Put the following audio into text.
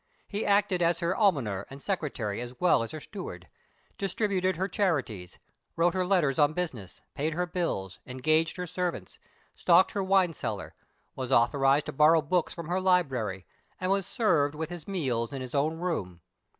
He acted as her almoner and secretary as well as her steward distributed her charities, wrote her letters on business, paid her bills, engaged her servants, stocked her wine cellar, was authorized to borrow books from her library, and was served with his meals in his own room.